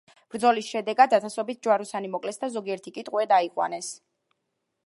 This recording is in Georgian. ბრძოლის შედეგად ათასობით ჯვაროსანი მოკლეს და ზოგიერთი კი ტყვედ აიყვანეს.